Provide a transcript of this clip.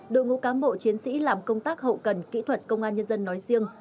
đội ngũ cán bộ chiến sĩ làm công tác hậu cần kỹ thuật công an nhân dân nói riêng